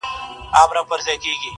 اوس د میني ځای نیولی سپین او سرو دی-